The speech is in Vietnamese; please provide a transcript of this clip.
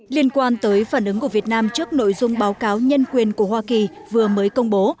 liên quan tới phản ứng của việt nam trước nội dung báo cáo nhân quyền của hoa kỳ vừa mới công bố